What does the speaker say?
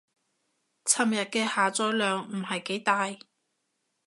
尋日嘅下載量唔係幾大